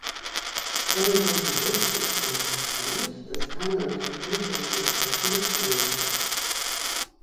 Darüber hinaus ist interessant, dass Thailand an Vermittlungsgesprächen beteiligt ist.